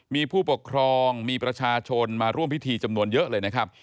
มีผู้ปกครองมีประชาชนมาร่วมพิธีจำนวนเยอะเลยนะครับ